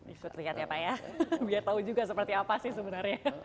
ikut lihat ya pak ya biar tahu juga seperti apa sih sebenarnya